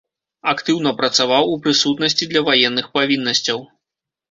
Актыўна працаваў у прысутнасці для ваенных павіннасцяў.